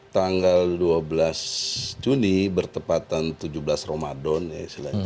tanggal dua belas juni bertepatan tujuh belas ramadhan ya